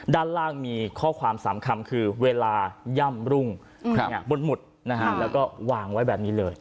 ด้านล่างมีข้อความสำคัญคือเวลาย่ำรุ่งบนหมุดแล้วก็วางไว้แบบนี้เลย